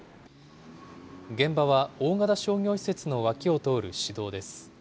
現場は大型商業施設の脇を通る市道です。